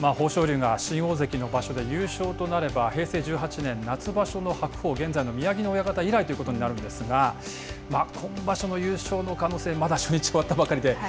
豊昇龍が新大関の場所で優勝となれば、平成１８年夏場所の白鵬、現在の宮城野親方以来となるんですが、今場所の優勝の可能性、まだ初日終わったばかりで。